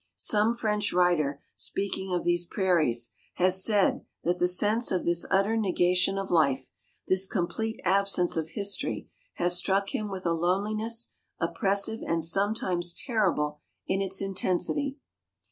Some French writer, speaking of these prairies, has said that the sense of this utter negation of life, this complete absence of history, has struck him with a loneliness, oppressive and sometimes terrible in its intensity.